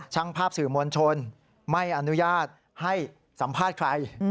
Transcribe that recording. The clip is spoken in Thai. ช่างภาพสื่อมวลชนไม่อนุญาตให้สัมภาษณ์ใคร